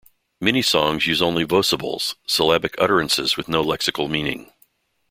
Many songs use only vocables, syllabic utterances with no lexical meaning.